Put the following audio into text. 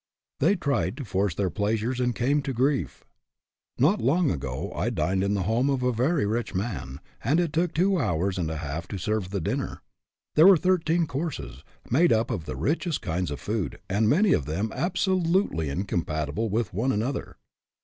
They tried to force their pleasures and came to grief. Not long ago, I dined in the home of a very rich man, and it took two hours and a half to serve the dinner. There were thirteen courses, made up of the richest kinds of food, and many of them absolutely incompatible with one another.